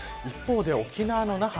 一方で、沖縄の那覇